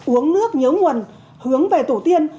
uống nước nhớ nguồn hướng về tổ tiên